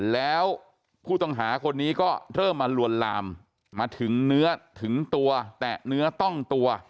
แล้วผู้ต้องหาคนนี้ก็เริ่มมาลวนลามมาถึงเนื้อถึงตัวแตะเนื้อต้องตัว